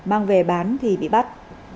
mang về bán thì bị bắt